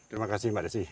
terima kasih mbak desy